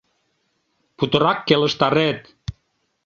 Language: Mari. Путырак келыштарет!